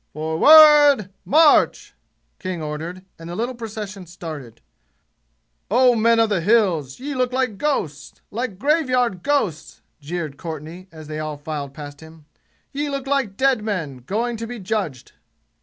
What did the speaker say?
"Forward! March!" King ordered, and the little procession started. "Oh, men of the 'Hills,' ye look like ghosts like graveyard ghosts!" jeered Courtenay, as they all filed past him. "Ye look like dead men, going to be judged!"